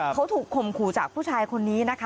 เขาถูกข่มขู่จากผู้ชายคนนี้นะคะ